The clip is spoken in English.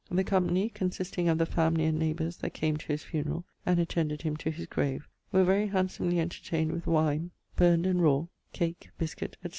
The company, consisting of the family and neighbours that came to his funerall, and attended him to his grave, were very handsomely entertained with wine, burned and raw, cake, biscuit, etc.